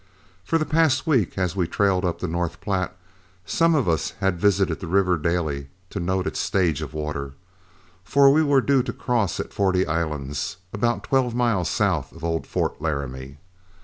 For the past week as we trailed up the North Platte, some one of us visited the river daily to note its stage of water, for we were due to cross at Forty Islands, about twelve miles south of old Fort Laramie.